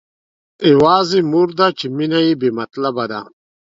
يوازې مور ده چې مينه يې بې مطلبه ده.